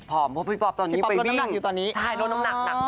ผอมเพราะพี่ป๊อปตอนนี้ไปวิ่งพี่ป๊อปลดน้ำหนักอยู่ตอนนี้